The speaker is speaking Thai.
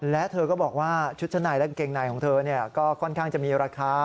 และเธอก็บอกว่าชุดชั้นในและกางเกงในของเธอก็ค่อนข้างจะมีราคา